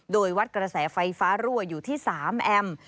โดยวัดกระแสไฟฟ้ารั่วอยู่ที่๓แอมป์